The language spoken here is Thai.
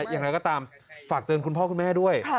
อย่างไรก็ตามฝากเตือนคุณพ่อคุณแม่ด้วย